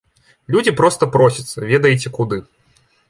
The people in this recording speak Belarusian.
Людзі проста просяцца, ведаеце куды.